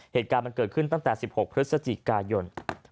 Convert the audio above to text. เหตุการณ์มันเกิดขึ้นตั้งแต่๑๖พฤศจิกายน